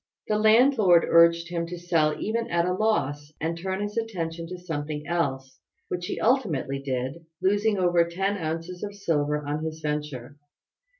The landlord urged him to sell even at a loss, and turn his attention to something else, which he ultimately did, losing over ten ounces of silver on his venture.